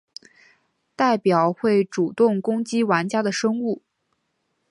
代表会主动攻击玩家的生物。